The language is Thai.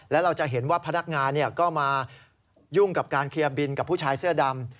แล้วเราจะเห็นว่าพนักงานก็มายุ่งกับการเคลียร์บินกับผู้ชายเสื้อดำ